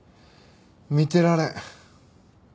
見てられん。